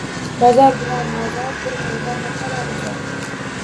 Bozor bilan Mozor bir-birdan naqadar uzoq.